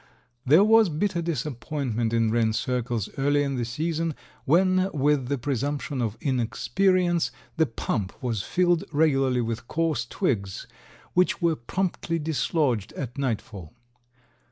There was bitter disappointment in wren circles earlier in the season when, with the presumption of inexperience, the pump was filled regularly with coarse twigs, which were promptly dislodged at nightfall.